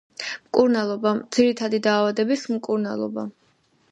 მკურნალობა: ძირითადი დაავადების მკურნალობა.